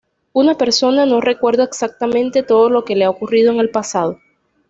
Una persona no recuerda exactamente todo lo que le ha ocurrido en el pasado.